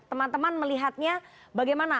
teman teman melihatnya bagaimana